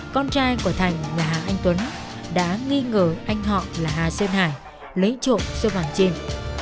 con trai của thành là hà anh tuấn đã nghi ngờ anh họ là hà sơn hải lấy trộm số vàng trên